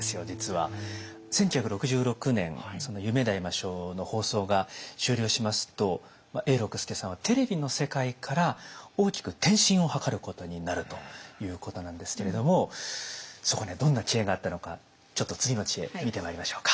１９６６年「夢であいましょう」の放送が終了しますと永六輔さんはテレビの世界から大きく転身を図ることになるということなんですけれどもそこにはどんな知恵があったのかちょっと次の知恵見てまいりましょうか。